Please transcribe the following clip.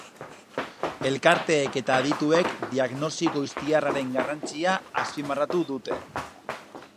Elkarteek eta adituek diagnosi goiztiarraren garrantzia azpimarratu dute.